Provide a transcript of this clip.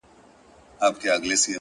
دا لوړ ځل و! تر سلامه پوري پاته نه سوم!